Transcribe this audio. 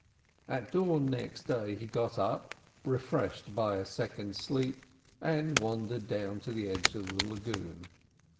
At dawn next day he got up, refreshed by a second sleep, and wandered down to the edge of the lagoon.